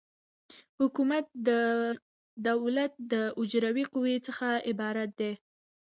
حکومت د دولت له اجرایوي قوې څخه عبارت دی.